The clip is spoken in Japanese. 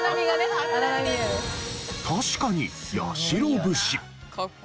確かに八代節。